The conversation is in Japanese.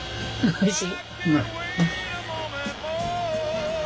おいしい？